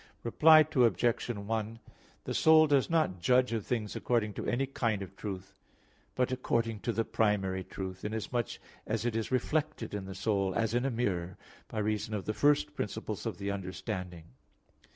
Reply Obj. 1: The soul does not judge of things according to any kind of truth, but according to the primary truth, inasmuch as it is reflected in the soul, as in a mirror, by reason of the first principles of the understanding.